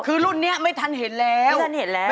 คือรุ่นนี้ไม่ทันเห็นแล้ว